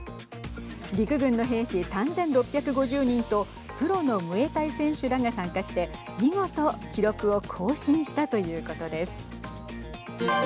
陸軍の兵士３６５０人とプロのムエタイ選手らが参加して見事、記録を更新したということです。